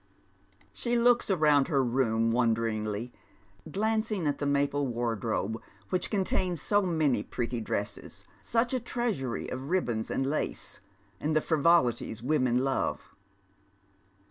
She looks round her room wonderingly, glancing at the maple wardrobe which contains so many pretty dresses, such a treasury of riblions and lace, and the frivolities women love.